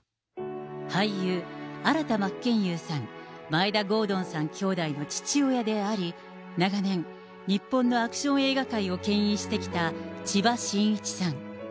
俳優、新田真剣佑さん、眞栄田郷敦さん兄弟の父親であり、長年、日本のアクション映画界をけん引してきた千葉真一さん。